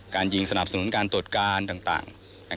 การยิงสนับสนุนการตรวจการต่าง